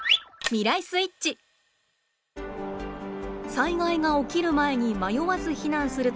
災害が起きる前に迷わず避難するためのきっかけ